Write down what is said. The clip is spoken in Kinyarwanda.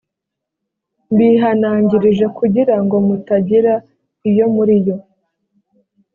mbihanangirije kugira ngo mutagira iyo muri iyo